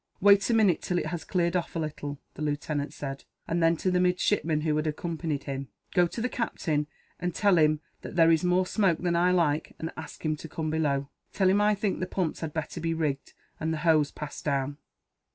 "Wait a minute, till it has cleared off a little," the lieutenant said; and then, to the midshipman who had accompanied him: "Go to the captain, and tell him that there is more smoke than I like, and ask him to come below. Tell him I think the pumps had better be rigged, and the hose passed down."